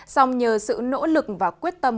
song nhờ sự nỗ lực và quyết tâm